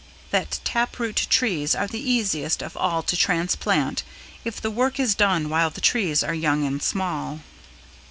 That tap root trees are the easiest of all to transplant if the work is done while the trees are young and small.